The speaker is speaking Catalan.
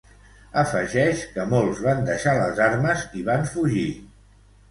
Afegeix que molts van deixar les armes i van fugir.